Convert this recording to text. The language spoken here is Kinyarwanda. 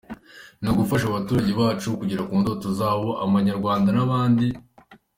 Ni ugufasha abaturage bacu kugera ku ndoto zabo, Abanyarwanda n’abandi.